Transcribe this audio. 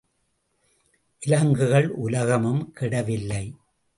விலங்குகள் உலகமும் கெடவில்லை.